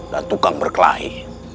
dan tukang berkelahi